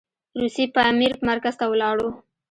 روسي پامیر مرکز ته ولاړو.